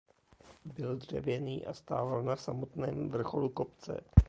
Byl dřevěný a stával na samotném vrcholu kopce.